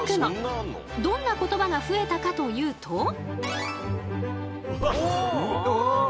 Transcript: どんな言葉が増えたかというと。